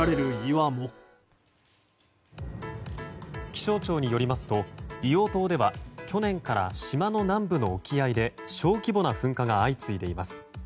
気象庁によりますと硫黄島では去年から島の南部の沖合で小規模な噴火が相次いでいます。